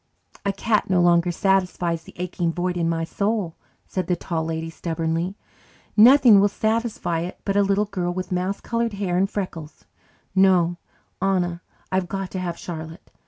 "A cat no longer satisfies the aching void in my soul," said the Tall Lady stubbornly. "Nothing will satisfy it but a little girl with mouse coloured hair and freckles. No, Anna, I've got to have Charlotte.